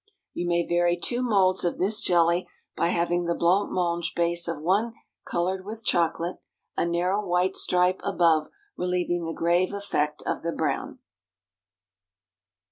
You may vary two moulds of this jelly by having the blanc mange base of one colored with chocolate, a narrow white stripe above relieving the grave effect of the brown.